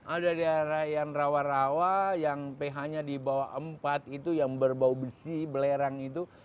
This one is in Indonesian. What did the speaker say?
ada daerah yang rawa rawa yang ph nya di bawah empat itu yang berbau besi belerang itu